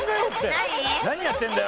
おい何やってんだ。